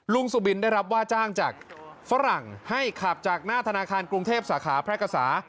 สุบินได้รับว่าจ้างจากฝรั่งให้ขับจากหน้าธนาคารกรุงเทพสาขาพระกษา